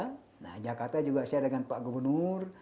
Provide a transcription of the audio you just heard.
nah jakarta juga saya dengan pak gubernur